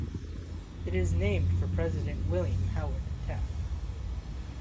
It is named for President William Howard Taft.